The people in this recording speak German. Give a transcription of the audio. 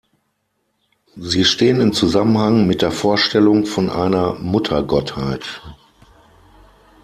Sie stehen in Zusammenhang mit der Vorstellung von einer Muttergottheit.